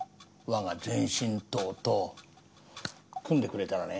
我が前進党と組んでくれたらね